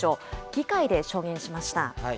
議会で証言しました。